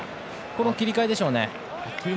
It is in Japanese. この切り替えでしょうね。